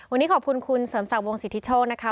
วันนี้ขอบคุณคุณเสริมศักดิ์วงสิทธิโชคนะคะ